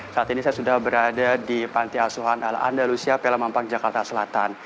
saat ini saya sudah berada di panti asuhan al andalusia pelamampang jakarta selatan